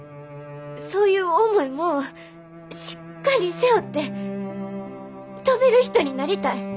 そういう重いもんをしっかり背負って飛べる人になりたい。